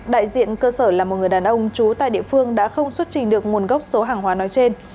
đại diện cơ sở là một người đàn ông trú tại địa phương đã không xuất trình được nguồn gốc số hàng hóa nói trên